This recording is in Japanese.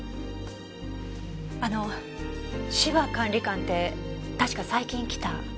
あの芝管理官って確か最近来た。